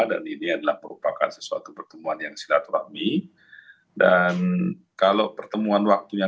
dan ini adalah merupakan sesuatu pertemuan yang silaturahmi dan kalau pertemuan waktunya